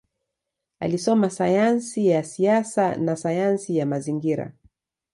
Alisoma sayansi ya siasa na sayansi ya mazingira.